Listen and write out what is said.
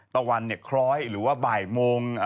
ตะวันคล้อยหรือว่าบ่ายโมง